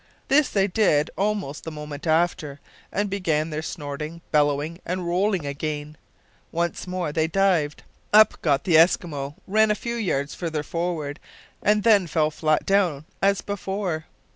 This they did almost the moment after, and began their snorting, bellowing, and rolling again. Once more they dived. Up got the Eskimo, ran a few yards further forward, and then fell flat down as before.